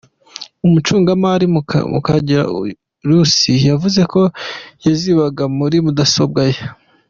Umucungamari, Mukagihana Lucie, yavuze ko yazibikaga muri mudasobwa ye.